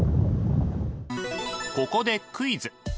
ここでクイズ！